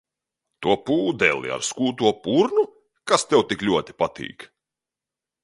To pūdeli ar skūto purnu, kas tev tik ļoti patīk?